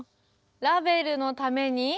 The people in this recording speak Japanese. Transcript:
「ラヴェルのために」